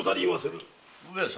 上様